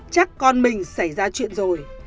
chắc con mình xảy ra chuyện rồi